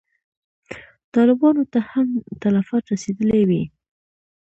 طالبانو ته هم تلفات رسېدلي وي.